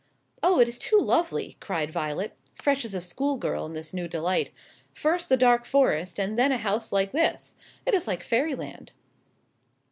"Oh, it is too lovely!" cried Violet, fresh as a schoolgirl in this new delight; "first the dark forest and then a house like this it is like Fairyland."